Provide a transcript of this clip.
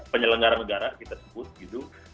penyelenggara negara kita sebut gitu